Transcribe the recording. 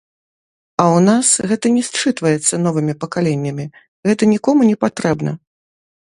А ў нас гэта не счытваецца новымі пакаленнямі, гэта нікому не патрэбна.